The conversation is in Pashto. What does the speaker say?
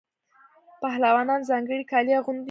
پهلوانان ځانګړي کالي اغوندي.